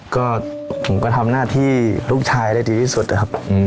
ก็ผมก็ทำหน้าที่ลูกชายได้ดีที่สุดนะครับ